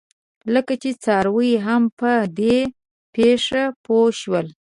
لکه چې څاروي هم په دې پېښه پوه شول.